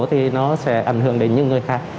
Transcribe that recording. thì nó sẽ ảnh hưởng đến những người khác